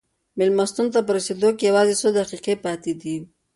مېلمستون ته په رسېدو کې یوازې څو دقیقې پاتې دي.